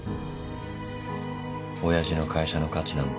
おやじの会社の価値なんて。